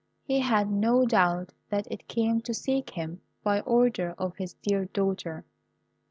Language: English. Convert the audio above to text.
He had no doubt that it came to seek him by order of his dear daughter.